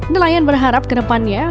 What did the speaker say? nelayan berharap ke depannya